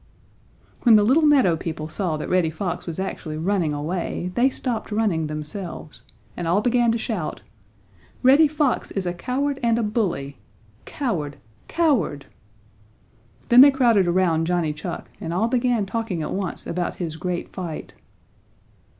When the little meadow people saw that Reddy Fox was actually running away, they stopped running themselves, and all began to shout: "Reddy Fox is a coward and a bully! Coward! Coward!" Then they crowded around Johnny Chuck and all began talking at once about his great fight.